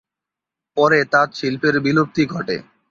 পরে তাঁত শিল্পের বিলুপ্তি ঘটে।